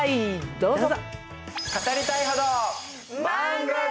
どうぞ！